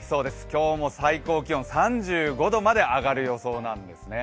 今日も最高気温３５度まで上がる予想なんですね